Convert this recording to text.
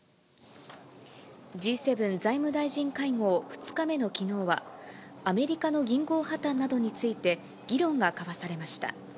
Ｇ７財務大臣会合２日目のきのうは、アメリカの銀行破綻などについて、議論が交わされました。